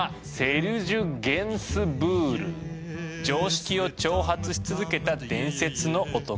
常識を挑発し続けた伝説の男。